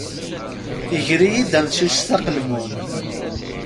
Iger-iyi-d amcic s aqelmun.